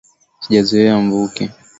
Sijazoea mvuke.